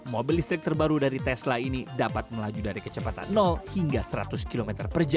mobil listrik terbaru dari tesla ini dapat melaju dari kecepatan hingga seratus kmh